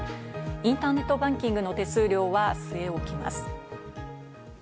インターネットバンキングの手数料は据え置きます。